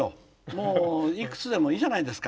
もういくつでもいいじゃないですか。